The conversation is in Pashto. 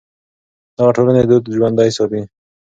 دغه ټولنې دود ژوندی ساتي.